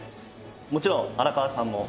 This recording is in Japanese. もちろん荒川さんも。